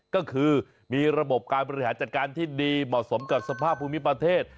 ก็คือมีระบบการบริหารจัดการที่ดีเหมาะสมกับสภาพภูมิประเทศ